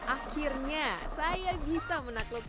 akhirnya saya bisa menemukan ombak yang tepat